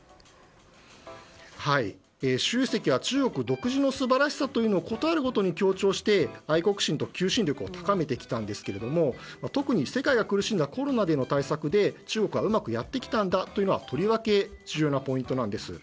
習主席は中国独自の素晴らしさというのをことあるごとに強調して愛国心と求心力を高めてきたんですけども特に、世界が苦しんだコロナでの対策で中国はうまくやってきたんだというのはとりわけ重要なポイントなんです。